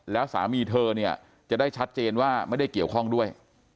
แล้วสามีเธอเนี่ยจะได้ชัดเจนว่าไม่ได้เกี่ยวข้องด้วย